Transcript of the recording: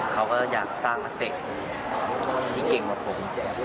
เขาก็อยากสร้างนักเตะที่เก่งกว่าผม